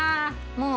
もう。